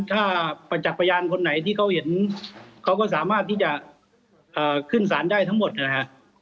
ถ้าประจักษ์พยานคนไหนที่เขาเห็นเขาก็สามารถที่จะขึ้นสารได้ทั้งหมดนะฮะ